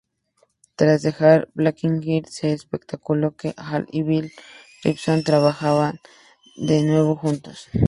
Tras dejar "Blackbirds", se especuló que Hall y Bill Robinson trabajaran de nuevo juntos.